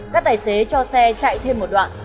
các tài xế cho xe chạy thêm một đoạn